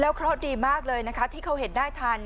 เพราะดีมากเลยนะคะที่เขาเห็นได้ทัน